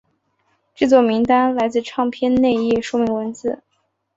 制作名单来自唱片内页说明文字。